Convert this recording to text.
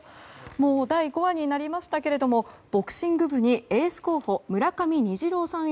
もう第５話になりましたけどもボクシング部にエース候補、村上虹郎さん